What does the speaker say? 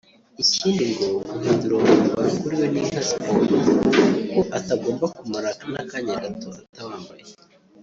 ikindi ngo guhindura uwo mwambaro kuri we ni nka siporo kuko atagomba kumara n’akanya gato atawambaye